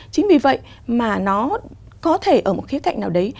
chính vì vậy mà nó có thể ở một khía cạnh nào đấy